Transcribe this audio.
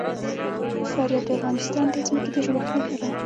فاریاب د افغانستان د ځمکې د جوړښت نښه ده.